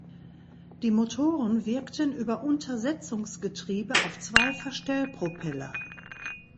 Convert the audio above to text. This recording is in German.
Die Motoren wirkten über Untersetzungsgetriebe auf zwei Verstellpropeller.